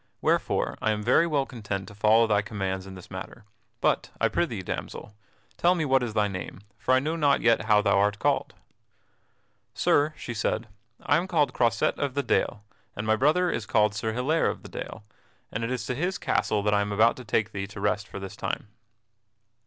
Wherefore I am very well content to follow thy commands in this matter. But I prithee, damsel, tell me what is thy name, for I know not yet how thou art called." "Sir," she said, "I am called Croisette of the Dale, and my brother is called Sir Hilaire of the Dale, and it is to his castle that I am about to take thee to rest for this time."